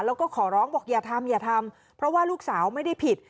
แล้วก็ขอร้องบอกอย่าทำอย่าทำเพราะว่าลูกสาวไม่ได้ผิด